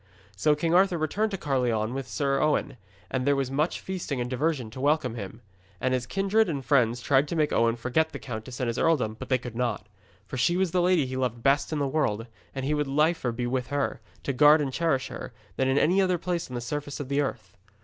So King Arthur returned to Caerleon with Sir Owen, and there was much feasting and diversion to welcome him. And his kindred and friends tried to make Owen forget the countess and his earldom, but they could not. For she was the lady he loved best in the world, and he would liefer be with her, to guard and cherish her, than in any other place on the surface of the earth.